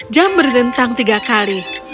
jam berdentang tiga kali